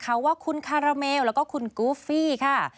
เขาว่าคุณคาราเมลแล้วก็คุณกูฟฟี่ค่ะ